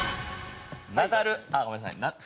「ナダル」あっごめんなさい。